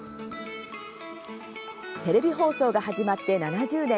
テレビ放送が始まって７０年。